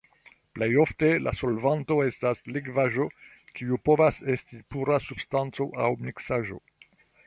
Plej ofte, la solvanto estas likvaĵo, kiu povas esti pura substanco aŭ miksaĵo.